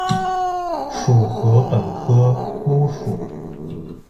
属禾本科菰属。